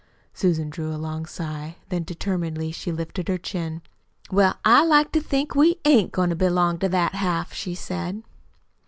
Susan drew a long sigh. Then, determinedly she lifted her chin. "Well, I like to think we ain't goin' to belong to that half," she said.